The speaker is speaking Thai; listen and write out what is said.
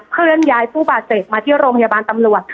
เคลื่อนย้ายผู้บาดเจ็บมาที่โรงพยาบาลตำรวจ